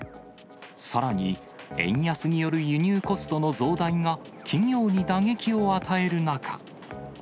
さらに、円安による輸入コストの増大が企業に打撃を与える中。